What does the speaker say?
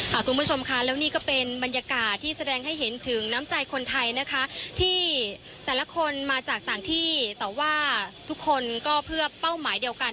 คุณผู้ชมค่ะแล้วนี่ก็เป็นบรรยากาศที่แสดงให้เห็นถึงน้ำใจคนไทยนะคะที่แต่ละคนมาจากต่างที่แต่ว่าทุกคนก็เพื่อเป้าหมายเดียวกัน